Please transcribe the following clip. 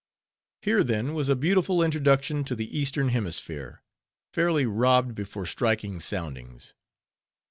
Here, then, was a beautiful introduction to the eastern hemisphere; fairly robbed before striking soundings.